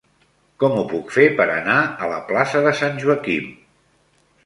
Com ho puc fer per anar a la plaça de Sant Joaquim?